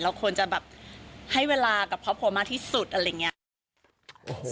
ควรจะแบบให้เวลากับครอบครัวมากที่สุดอะไรอย่างนี้